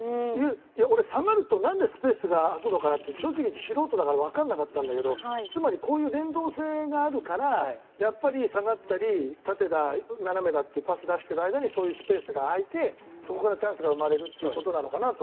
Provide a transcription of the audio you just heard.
俺、下がると何でスペースが空くのかなって正直言って、素人だから分からなかったんだけどつまりこういう連動性があるから下がったり、縦だ、斜めだとパスを出している間にそういうスペースが空いてそこからチャンスが生まれるのかなと。